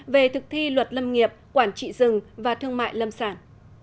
về thực thi luật lâm nghiệp quản trị rừng và thương mại lâm sản